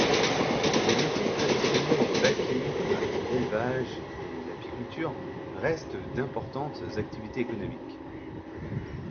Les métiers traditionnels bachkirs, l’élevage et l’apiculture, restent d’importantes activités économiques.